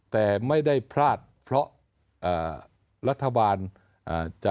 แต่ไม่ได้พลาดเพราะอ่ารัฐบาลจะ